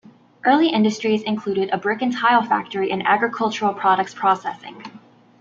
Early industries included a brick and tile factory and agricultural products processing.